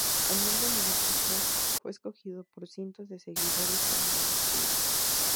El nombre del equipo fue escogido por cientos de seguidores por media Twitter.